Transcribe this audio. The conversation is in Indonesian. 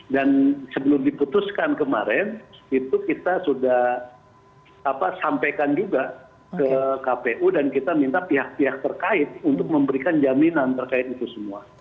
dan sebelum diputuskan kemarin itu kita sudah sampaikan juga ke kpu dan kita minta pihak pihak terkait untuk memberikan jaminan terkait itu semua